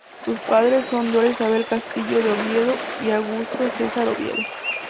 Sus padres son Dora Isabel Castillo de Oviedo y Augusto Cesar Oviedo.